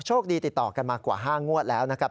ติดต่อกันมากว่า๕งวดแล้วนะครับ